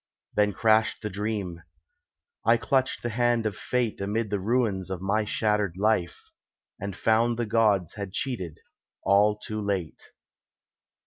Then crashed the dream. I clutched the hand of Fate Amid the ruins of my shattered life, And found the Gods had cheated, all too late.